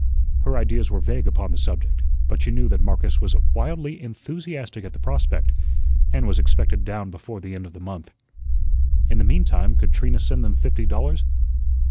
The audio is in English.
Her ideas were vague upon the subject, but she knew that Marcus was wildly enthusiastic at the prospect, and was expected down before the end of the month. In the meantime, could Trina send them fifty dollars?